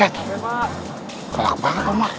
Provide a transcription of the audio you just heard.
kelak banget omak